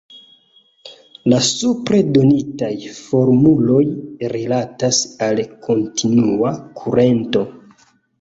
La supre donitaj formuloj rilatas al kontinua kurento.